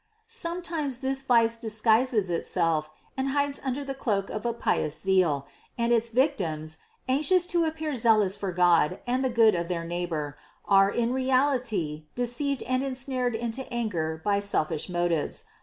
Sometimes this vice disguises itself and hides under the cloak of a pious zeal, and its victims, anxious to appear zealous for God and the good of their neighbor, are in reality deceived and ensnared into anger by selfish motives.